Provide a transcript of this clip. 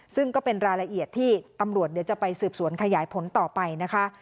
ซึ่งก็เป็นรายละเอียดที่ตำรวจเดี๋ยวจะไปสืบสวนขยายผลต่อไปนะคะ